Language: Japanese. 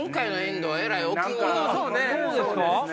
そうですか？